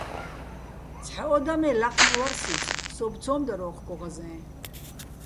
ცჰ̦ა ო და მე́, ლაჴეჼ ვარ სიძ, სოუბო̆ ცო́მ დარ ო́ჴგო ღაზეჼ.